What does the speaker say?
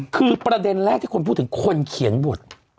คือประเด็นแรกที่คนพูดถึงคนเขียนบท